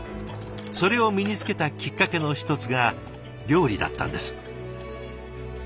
それを身につけたきっかけの一つが料理だったんです。